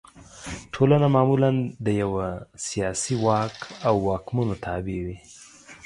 ټولنه معمولا د یوه سیاسي واک او واکمنو تابع وي.